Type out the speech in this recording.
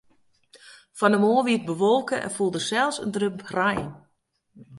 Fan 'e moarn wie it bewolke en foel der sels in drip rein.